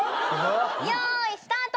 よーいスタート！